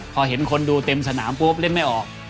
พอเห็นคนดูเต็มสนามปุ๊บเล่นไม่ออก